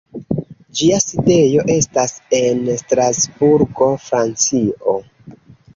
Ĝia sidejo estas en Strasburgo, Francio.